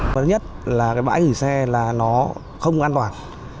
thứ nhất là cái bãi hủy xe là nó không an toàn